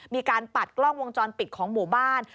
ปัดกล้องวงจรปิดของหมู่บ้าน